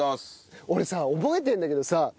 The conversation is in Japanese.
俺さ覚えてるんだけどさ